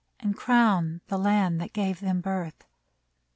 And crown the Land that gave them birth.